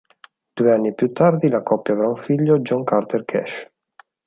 Due anni più tardi la coppia avrà un figlio, John Carter Cash.